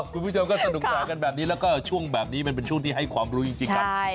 คุณผู้ชมก็สนุกสนานกันแบบนี้แล้วก็ช่วงแบบนี้มันเป็นช่วงที่ให้ความรู้จริงกัน